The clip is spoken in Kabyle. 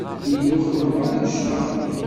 Nnan-iyi-d ur xeddmeɣ ara annect-a.